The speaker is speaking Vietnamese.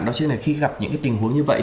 đó chứ là khi gặp những cái tình huống như vậy